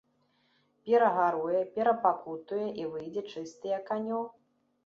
Перагаруе, перапакутуе і выйдзе чысты, як анёл.